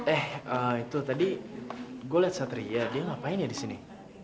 eh itu tadi gue liat satria dia ngapain ya disini